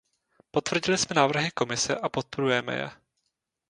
Potvrdili jsme návrhy Komise a podporujeme je.